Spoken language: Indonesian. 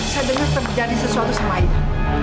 saya dengar terjadi sesuatu sama itu